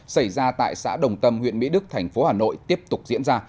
xảy ra tại xã đồng tâm huyện mỹ đức tp hà nội tiếp tục diễn ra